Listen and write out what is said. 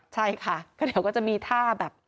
ใช่ค่ะก็เดี๋ยวก็จะมีท่าแบบ